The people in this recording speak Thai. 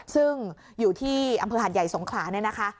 ซึ่งอยู่ที่อำเภอหัดใหญ่สงขลาเนี่ยนะคะ